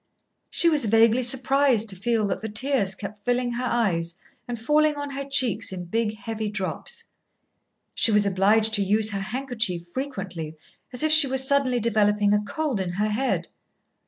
She was vaguely surprised to feel that the tears kept filling her eyes and falling on her cheeks in big heavy drops. She was obliged to use her handkerchief frequently, as if she was suddenly developing a cold in her head.